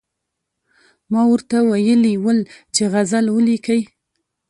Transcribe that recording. ما ورته ویلي ول چې غزل ولیکئ.